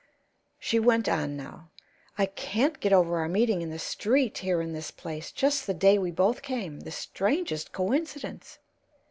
She went on now: "I can't get over our meeting in the street here in this place, just the day we both came the strangest coincidence!